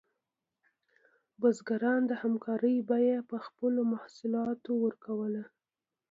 بزګران د همکارۍ بیه په خپلو محصولاتو ورکوله.